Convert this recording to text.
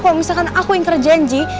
kalau misalkan aku yang terjanji